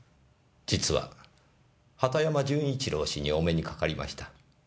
実は畑山純一郎氏にお目にかかりました。